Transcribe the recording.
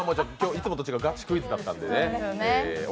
いつもと違うガチクイズだったんでね。